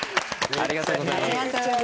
ありがとうございます。